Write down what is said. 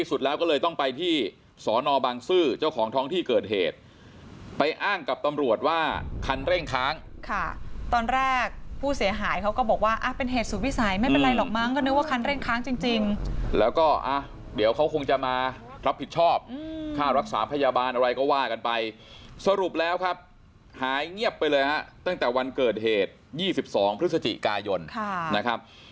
สุดแล้วก็เลยต้องไปที่สอนอบังซื้อเจ้าของท้องที่เกิดเหตุไปอ้างกับตำรวจว่าคันเร่งค้างค่ะตอนแรกผู้เสียหายเขาก็บอกว่าเป็นเหตุสุดวิสัยไม่เป็นไรหรอกมั้งก็นึกว่าคันเร่งค้างจริงแล้วก็อ่ะเดี๋ยวเขาคงจะมารับผิดชอบค่ารักษาพยาบาลอะไรก็ว่ากันไปสรุปแล้วครับหายเงียบไปเลยฮะตั้งแต่วันเกิดเหตุ๒๒พฤศจิกายนนะครับ